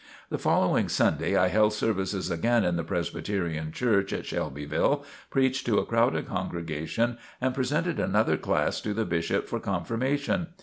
The following Sunday I held services again in the Presbyterian Church at Shelbyville, preached to a crowded congregation, and presented another class to the Bishop for confirmation.